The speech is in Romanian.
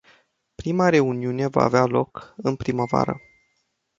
Prima reuniune va avea loc în primăvară.